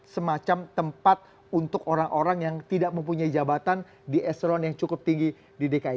semacam tempat untuk orang orang yang tidak mempunyai jabatan di eselon yang cukup tinggi di dki